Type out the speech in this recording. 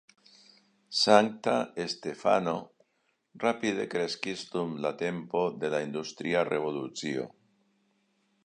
Sankta Stefano rapide kreskis dum la tempo de la industria revolucio.